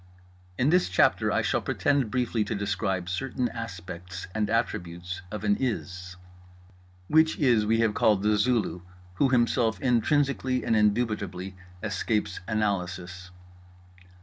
In this chapter I shall pretend briefly to describe certain aspects and attributes of an IS. Which IS we have called The Zulu, who Himself intrinsically and indubitably escapes analysis.